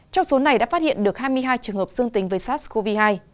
trong số này đã phát hiện được hai mươi hai trường hợp dương tính với sars cov hai